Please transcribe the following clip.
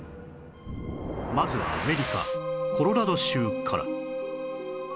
まずはアメリカコロラド州から